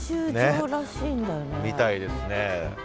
みたいですね。